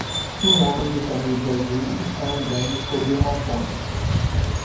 Um homem de camisa azul está andando sobre uma ponte.